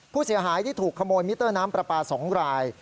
ผู้เสียหายที่ถูกขโมยมิเตอร์น้ำปลาปลา๒ราย